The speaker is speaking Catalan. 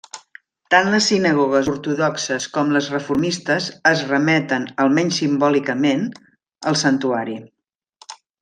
Tant les sinagogues ortodoxes com les reformistes es remeten, almenys simbòlicament, al santuari.